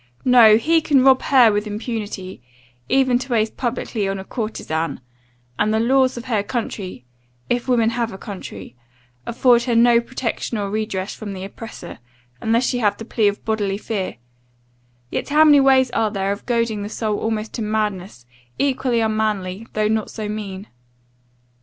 No; he can rob her with impunity, even to waste publicly on a courtezan; and the laws of her country if women have a country afford her no protection or redress from the oppressor, unless she have the plea of bodily fear; yet how many ways are there of goading the soul almost to madness, equally unmanly, though not so mean?